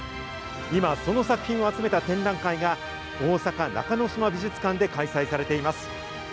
今、その作品を集めた展覧会が、大阪中之島美術館で開催されています。